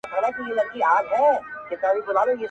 او توري څڼي به دي_